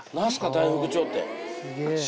「大福帳」って。